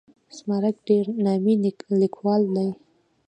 زمرک ډېر نامي لیکوال دی.